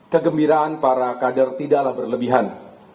kegembiraan para kader tidaklah berlebihan